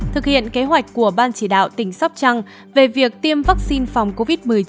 thực hiện kế hoạch của ban chỉ đạo tỉnh sóc trăng về việc tiêm vaccine phòng covid một mươi chín